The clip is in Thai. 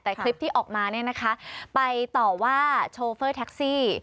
แต่คลิปที่ออกมาเนี่ยนะคะไปต่อว่าโชเฟอร์แท็กซี่